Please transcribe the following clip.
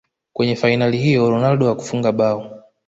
kwenye fainali hiyo ronaldo hakufunga bao